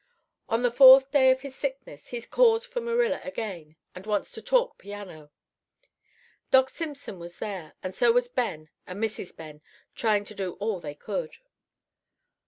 "On the fourth day of his sickness he calls for Marilla again and wants to talk piano. Doc Simpson was there, and so was Ben and Mrs. Ben, trying to do all they could.